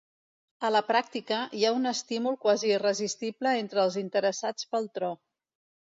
A la pràctica, hi ha un estímul quasi irresistible entre els interessats pel tro.